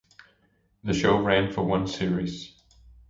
The show ran for one series.